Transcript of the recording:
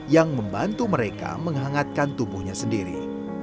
yang membantu mereka menghangatkan tubuhnya sendiri